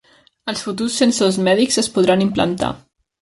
Els futurs sensors mèdics es podran implantar.